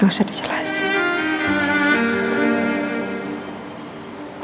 gak usah dijelasin